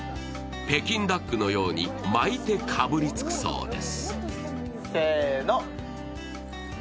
北京ダックのように巻いてかぶりつくそうです。